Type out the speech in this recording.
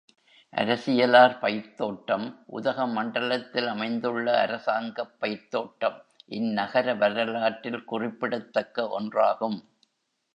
அரசியலார் பயிர்த் தோட்டம் உதகமண்டலத்தில் அமைந்துள்ள அரசாங்கப் பயிர்த் தோட்டம், இந் நகர வரலாற்றில் குறிப்பிடத்தக்க ஒன்றாகும்.